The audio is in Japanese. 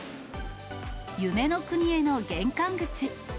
夢の国への玄関口。